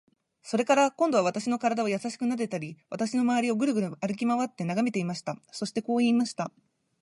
それから、今度は私の身体をやさしくなでたり、私のまわりをぐるぐる歩きまわって眺めていました。そしてこう言いました。